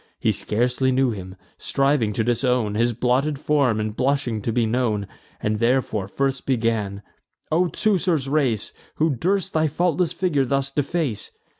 He scarcely knew him, striving to disown His blotted form, and blushing to be known; And therefore first began: "O Teucer's race, Who durst thy faultless figure thus deface?